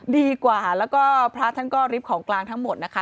ดีกว่าแล้วก็พระท่านก็ริบของกลางทั้งหมดนะคะ